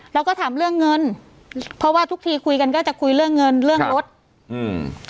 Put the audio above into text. เราก็ถามเรื่องเงินเพราะว่าทุกทีคุยกันก็จะคุยเรื่องเงินเรื่องรถอืม